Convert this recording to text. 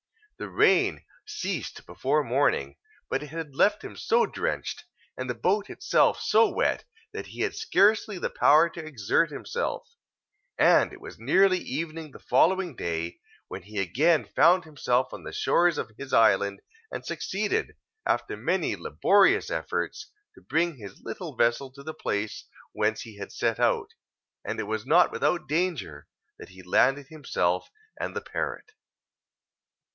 The rain ceased before morning, but it had left him so drenched, and the boat itself so wet, that he had scarcely the power to exert himself; and it was nearly evening the following day, when he again found himself on the shores of his island, and succeeded, after many laborious efforts, to bring his little vessel to the place whence he had set out; and it was not without danger that he landed himself and the parrot.